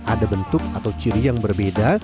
ada bentuk atau ciri yang berbeda